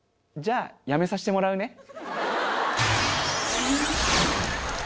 じゃあやめさしてもらうね。